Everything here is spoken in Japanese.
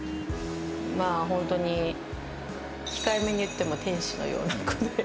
まあ、本当に控えめに言っても天使のような子で。